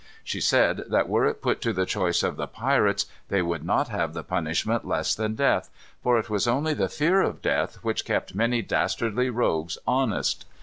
She said that were it put to the choice of the pirates, they would not have the punishment less than death; for it was only the fear of death which kept many dastardly rogues honest.